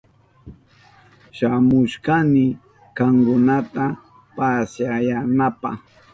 Shamushkani kankunata pasyanapa.